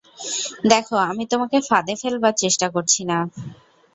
দেখো, আমি তোমাকে ফাঁদে ফেলবার চেষ্টা করছি না।